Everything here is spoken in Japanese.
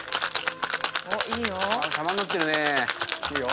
おっいいよ。